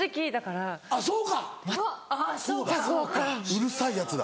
うるさいヤツだ。